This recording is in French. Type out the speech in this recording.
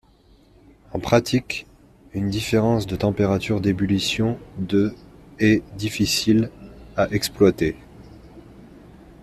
En pratique, une différence de température d'ébullition de est difficile à exploiter.